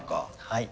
はい。